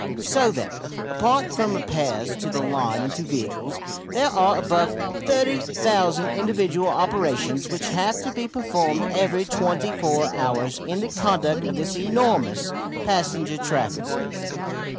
So that apart from repairs to the line and to vehicles there are above 30,000 individual operations which have to be performed every twenty four hours in the conduct of this enormous passenger traffic.